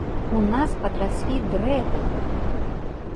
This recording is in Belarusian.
У нас падраслі дрэвы!